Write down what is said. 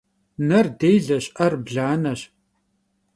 Ner dêleş, 'er blaneş.